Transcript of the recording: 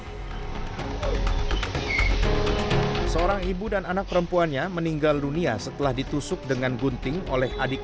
hai seorang ibu dan anak perempuannya meninggal dunia setelah ditusuk dengan gunting oleh adik